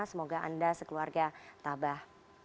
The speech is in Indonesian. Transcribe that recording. semoga anda sekeluarga tabah